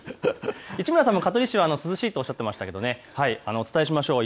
市村さんも香取市は涼しいとおっしゃっていましたがお伝えしましょう。